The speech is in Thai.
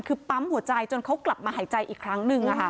คือปั๊มหัวใจจนเขากลับมาหายใจอีกครั้งหนึ่ง